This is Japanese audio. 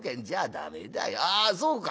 ああそうか。